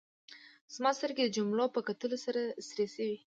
زما سترګې د جملو په کتلو سرې شوې.